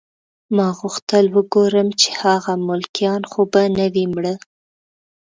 ما غوښتل وګورم چې هغه ملکیان خو به نه وي مړه